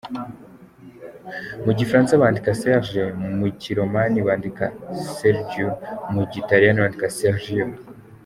Mu Gifaransa bandika Serge, mu kiromani Sergiu, mu Gitaliyani Sergio.